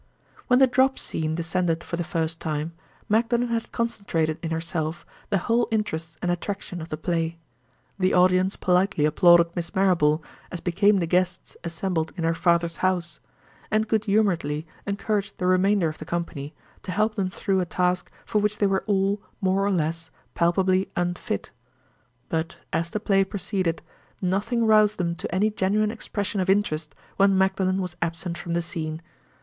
When the drop scene descended for the first time, Magdalen had concentrated in herself the whole interest and attraction of the play. The audience politely applauded Miss Marrable, as became the guests assembled in her father's house: and good humoredly encouraged the remainder of the company, to help them through a task for which they were all, more or less, palpably unfit. But, as the play proceeded, nothing roused them to any genuine expression of interest when Magdalen was absent from the scene.